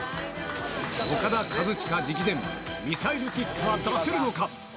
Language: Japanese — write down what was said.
オカダ・カズチカ直伝、ミサイルキックは出せるのか？